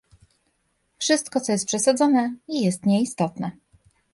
Wszystko, co jest przesadzone - jest nieistotne